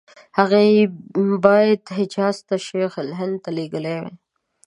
هغه یې باید حجاز ته شیخ الهند ته لېږلي وای.